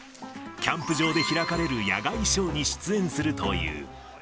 キャンプ場で開かれる野外ショーに出演するという。